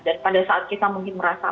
dan pada saat kita mungkin merasa